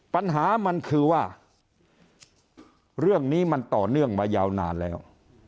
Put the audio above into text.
ปัญหามันคือว่าเรื่องนี้มันต่อเนื่องมายาวนานแล้ว